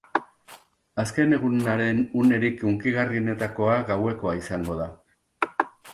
Azken egunaren unerik hunkigarrienetakoa gauekoa izango da.